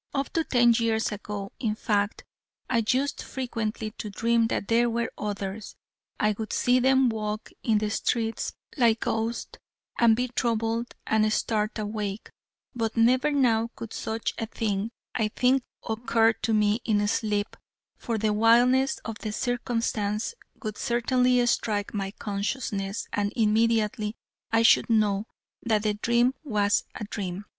Up to ten years ago, in fact, I used frequently to dream that there were others. I would see them walk in the streets like ghosts, and be troubled, and start awake: but never now could such a thing, I think, occur to me in sleep: for the wildness of the circumstance would certainly strike my consciousness, and immediately I should know that the dream was a dream.